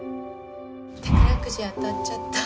宝くじ当たっちゃった